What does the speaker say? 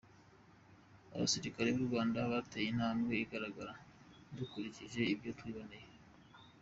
Abasirikare b’u Rwanda bateye intambwe igaragara dukurikije ibyo twiboneye.